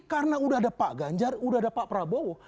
karena udah ada pak ganjar udah ada pak prabowo